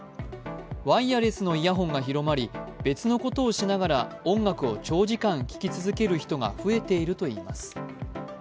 ワイヤレスのイヤホンが広まり、別のことをしながら音楽を長時間聞き続ける人が増えているといいます。